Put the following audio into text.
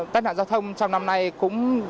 tai nạn giao thông trong năm nay cũng